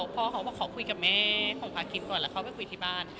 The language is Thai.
พ่อเขาบอกขอคุยกับแม่ของพาคินก่อนแล้วเข้าไปคุยที่บ้าน